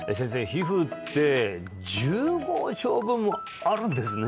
皮膚って１５畳分もあるんですね